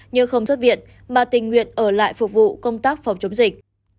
như không xuất viện mà tình nguyện ở lại phục vụ công tác phòng chống dịch